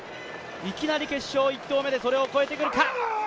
いきなり決勝１投目でそれを越えてくるか。